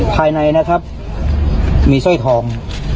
ภายในนะครับมีสร้อยทอง